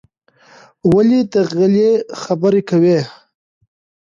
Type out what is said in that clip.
ولې د غېلې خبرې کوې؟